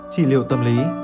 trị liệu tâm lý